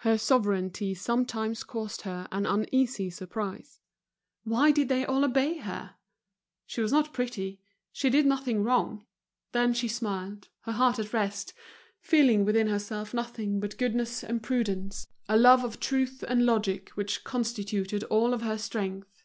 Her sovereignty sometimes caused her an uneasy surprise; why did they all obey her? she was not pretty, she did nothing wrong. Then she smiled, her heart at rest, feeling within herself nothing but goodness and prudence, a love of truth and logic which constituted all her strength.